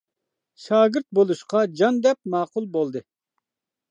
شاگىرت بولۇشقا جان دەپ ماقۇل بولدى.